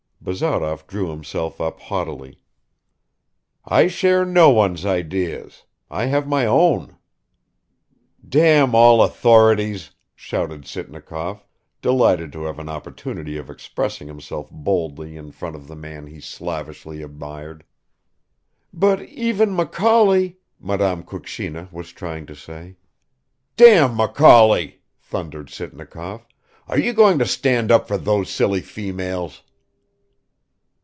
Bazarov drew himself up haughtily. "I share no one's ideas; I have my own." "Damn all authorities!" shouted Sitnikov, delighted to have an opportunity of expressing himself boldly in front of the man he slavishly admired. "But even Macaulay ...," Madame Kukshina was trying to say. "Damn Macaulay!" thundered Sitnikov. "Are you going to stand up for those silly females?"